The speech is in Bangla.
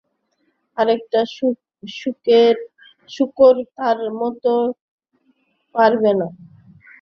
আরেকটা শূকর তার মতো পারবে না।